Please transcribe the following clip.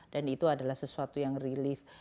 dan itu adalah sesuatu yang relief